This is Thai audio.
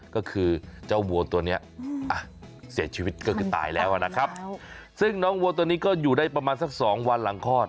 ก็คือเจ้าวัวตัวนี้เสียชีวิตก็คือตายแล้วนะครับซึ่งน้องวัวตัวนี้ก็อยู่ได้ประมาณสักสองวันหลังคลอด